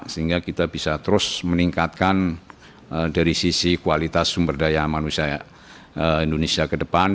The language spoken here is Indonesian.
sehingga kita bisa terus meningkatkan dari sisi kualitas sumber daya manusia indonesia ke depan